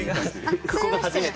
ここが初めて。